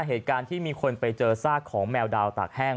เหตุการณ์ที่มีคนไปเจอซากของแมวดาวตากแห้ง